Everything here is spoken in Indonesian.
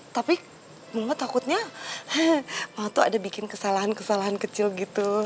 tapi mama takutnya waktu ada bikin kesalahan kesalahan kecil gitu